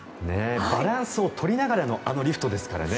バランスを取りながらのあのリフトですからね。